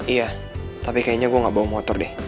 iya tapi kayaknya gue gak bawa motor deh